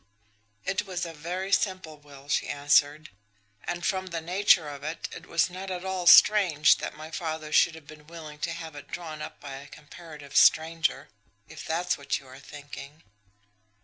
"It was a very simple will," she answered. "And from the nature of it, it was not at all strange that my father should have been willing to have had it drawn by a comparative stranger, if that is what you are thinking.